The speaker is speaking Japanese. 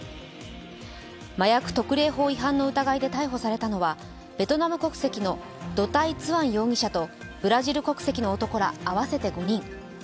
麻薬特例法違反の疑いで逮捕されたのはベトナム国籍のド・タイ・ツアン容疑者とブラジル国籍の男ら合わせて５人。